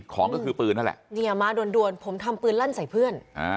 ของก็คือปืนนั่นแหละเนี่ยมาด่วนผมทำปืนลั่นใส่เพื่อน